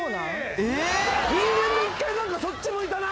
人間で１回何かそっち向いたな。